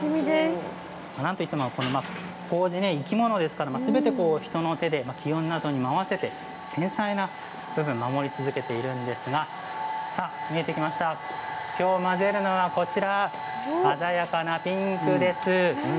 なんといってもこうじは生き物なのですべて人の手で気温などにも合わせて繊細な部分を守り続けているわけなんですがきょう混ぜるのは鮮やかなピンクです。